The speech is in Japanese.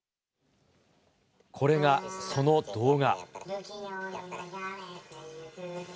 これが、その動画。